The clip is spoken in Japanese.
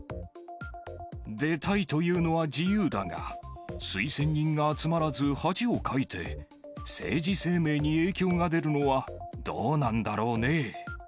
出たいというのは自由だが、推薦人が集まらず恥をかいて、政治生命に影響が出るのはどうなんだろうね。